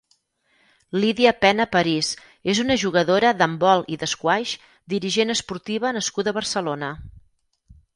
Lydia Pena París és una jugadora d'handbol i d'esquaix, dirigent esportiva nascuda a Barcelona.